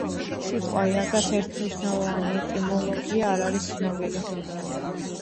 სიტყვა იაგას ერთმნიშვნელოვანი ეტიმოლოგია არ არის ცნობილი.